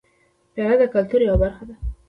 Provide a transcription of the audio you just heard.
پیاله د کلتور یوه برخه ده.